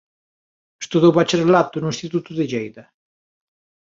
Estudou bacharelato no Instituto de Lleida.